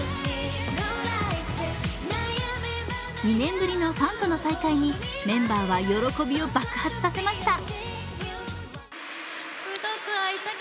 ２年ぶりのファンとの再会にメンバーは喜びを爆発させました。